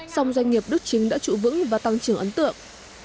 song doanh nghiệp đức chính đã trụ vững và tăng trưởng ấn tượng